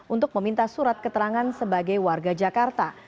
untuk meminta surat keterangan sebagai warga jakarta